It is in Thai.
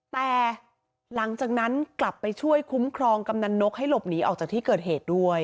แต่หลังจากนั้นกลับไปช่วยคุ้มครองกำนันนกให้หลบหนีออกจากที่เกิดเหตุด้วย